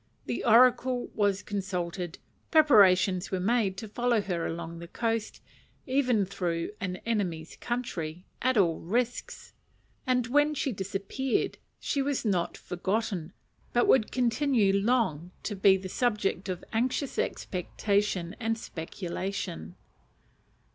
The oracle was consulted, preparations were made to follow her along the coast, even through an enemy's country, at all risks; and when she disappeared she was not forgotten, but would continue long to be the subject of anxious expectation and speculation.